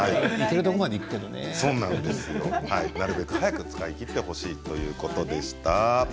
なるべく早く使い切ってほしいということでした。